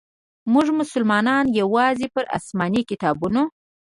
موږ مسلمانانو یوازي پر اسماني کتابونو.